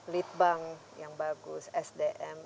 lead bank yang bagus sdm